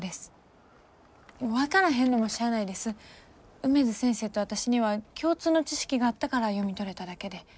梅津先生と私には共通の知識があったから読み取れただけで。